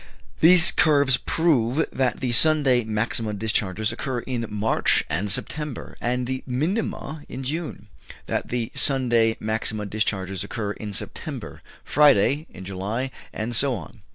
These curves prove that the Sunday maxima discharges occur in March and September, and the minima in June; that the Monday maxima discharges occur in September, Friday in July, and so on.